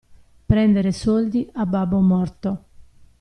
Prendere soldi a babbo morto.